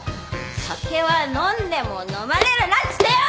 酒は飲んでものまれるなっつってよ！